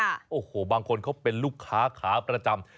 โอ้โหบางคนเขาเป็นลูกค้าขาประจำ